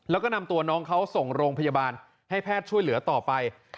แล้วก็นำตัวน้องเขาส่งโรงพยาบาลให้แพทย์ช่วยเหลือต่อไป